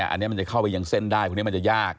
อันนี้มันจะเข้าไปยังเส้นได้พวกนี้มันจะยาก